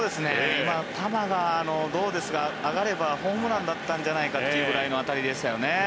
今、球が上がればホームランだったんじゃないかというくらいの当たりでしたよね。